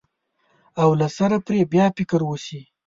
او له سره پرې بیا فکر وشي.